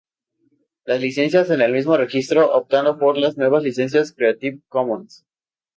Las licencia en el mismo registro optando por las nuevas licencias Creative Commons.